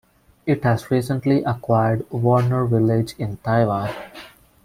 It has recently acquired Warner Village in Taiwan.